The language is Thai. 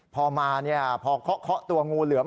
พอมาพอเคาะตัวงูเหลือม